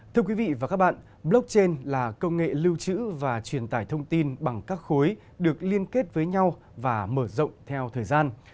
thưa quý vị và các bạn blockchain là công nghệ lưu trữ và truyền tải thông tin bằng các khối được liên kết với nhau và mở rộng theo thời gian